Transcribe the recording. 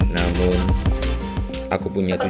namun aku punya tujuan